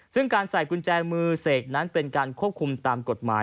ซึ่งการใส่กุญแจมือเสกนั้นเป็นการควบคุมตามกฎหมาย